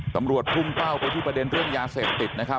ตำรวจพุ่งเป้าไปที่ประเด็นเรื่องยาเสพติดนะครับ